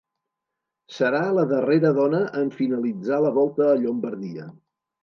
Serà la darrera dona en finalitzar la Volta a Llombardia.